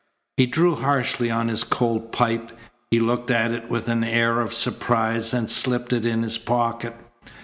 He drew harshly on his cold pipe. He looked at it with an air of surprise, and slipped it in his pocket.